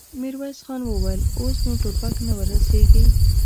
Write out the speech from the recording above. ميرويس خان وويل: اوس نو ټوپک نه ور رسېږي.